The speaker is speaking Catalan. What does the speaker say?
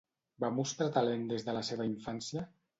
Va mostrar talent des de la seva infància?